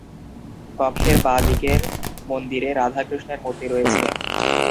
কক্ষের বাঁ দিকের মন্দিরে রাধা-কৃষ্ণের মূর্তি রয়েছে।